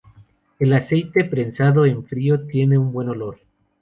El aceite prensado en frío tiene un buen olor.